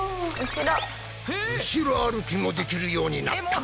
後ろ歩きもできるようになった！